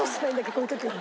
こういう時は。